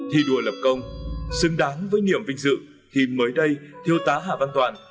thi đua lập công xứng đáng với niềm vinh dự thì mới đây thiêu tá hạ văn toàn